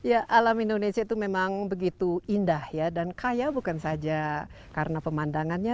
ya alam indonesia itu memang begitu indah ya dan kaya bukan saja karena pemandangannya